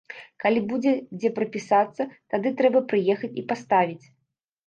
Калі будзе, дзе прапісацца, тады трэба прыехаць і паставіць.